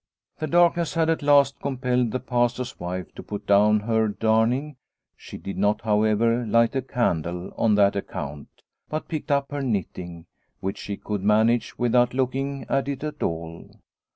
The darkness had at last compelled the Pastor's wife to put down her darning ; she did not, however, light a candle on that account, but picked up her knitting, which she could manage without looking at it at all.